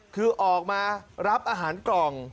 คือออกมารับอาหารกล่อง